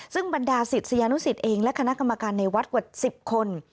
ซึ่งบรรดาศิษยานุสิตเองและคณะกรรมการในวัดกว่า๑๐คน